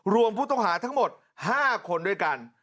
รวมผู้ต้องหาทั้งหมด๕คนด้วยกัน